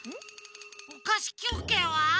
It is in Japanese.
おかしきゅうけいは？